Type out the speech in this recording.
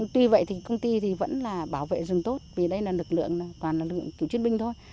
tuy vậy thì công ty vẫn là bảo vệ rừng tốt vì đây là lực lượng toàn là lực lượng chủ chức binh thôi